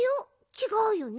ちがうよね？